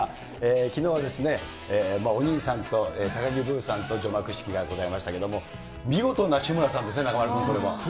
きのうはお兄さんと高木ブーさんと除幕式がございましたけれども、見事な志村さんですね、中丸君、これは。